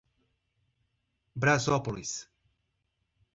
Brasópolis